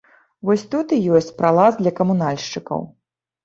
Вось тут і ёсць пралаз для камунальшчыкаў.